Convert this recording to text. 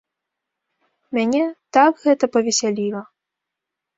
Мяне так гэта павесяліла!